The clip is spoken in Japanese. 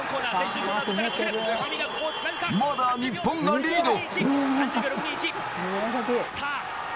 まだ日本がリード。